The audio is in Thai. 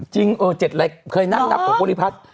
จริงเออ๗รายการเคยนัดหนับของโบรีพัฒน์